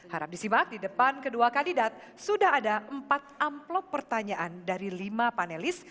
harap disimak di depan kedua kandidat sudah ada empat amplop pertanyaan dari lima panelis